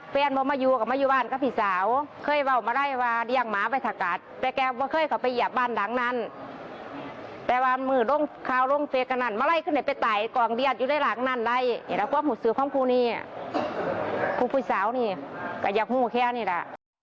ผู้สาวนี่ก็อยากมุ่งแค่นี้แหละ